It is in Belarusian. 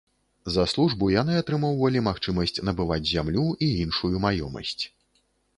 За службу яны атрымоўвалі магчымасць набываць зямлю і іншую маёмасць.